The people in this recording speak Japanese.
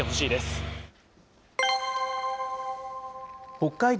北海道